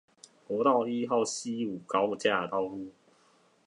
國道一號汐五高架道路